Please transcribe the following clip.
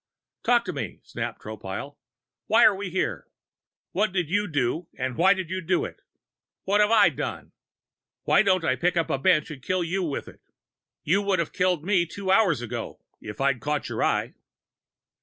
"Talk to me!" snapped Tropile. "Why are we here? What did you do and why did you do it? What have I done? Why don't I pick up a bench and kill you with it? You would've killed me two hours ago if I'd caught your eye!"